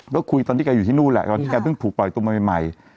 ก็คุยตอนที่แกอยู่ที่นู่นแหละตอนที่แกเพิ่งถูกปล่อยตัวมาใหม่